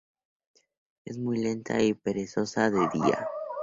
Es muy lenta y perezosa de día.